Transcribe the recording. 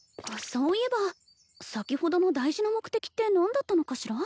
そういえば先ほどの大事な目的って何だったのかしら？